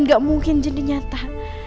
gak mungkin jadi nyata